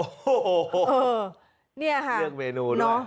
โอ้โหเนี่ยค่ะเลือกเมนูด้วย